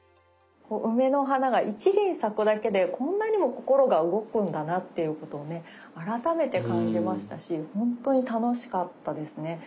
梅の花が一輪咲くだけでこんなにも心が動くんだなっていうことをね改めて感じましたし本当に楽しかったですね。